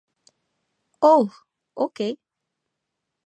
ওহ, ওকে।